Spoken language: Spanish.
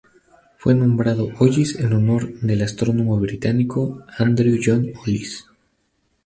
Fue nombrado Hollis en honor del astrónomo británico Andrew John Hollis.